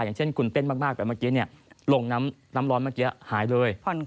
อย่างเช่นคุณเต้นมากแต่เมื่อกี้ลงน้ำร้อนเมื่อกี้หายเลย